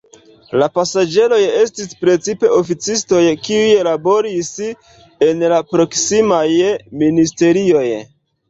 La pasaĝeroj estis precipe oficistoj, kiuj laboris en la proksimaj ministerioj.